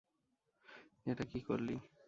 এটা কী করলি?